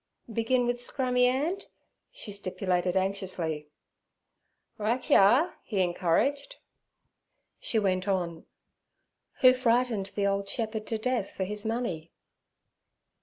'Begin with Scrammy 'And?' she stipulated anxiously. 'Right yer are' he encouraged. She went on: 'Who frightened the old shepherd to death for his money.'